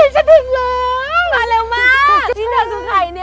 เย้ฉันถึงแล้วมาเร็วมากที่เนวตู้ไทยเนี้ย